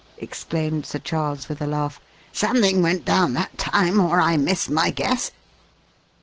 exclaimed Sir Charles with a laugh. "Something went down that time, or I miss my guess."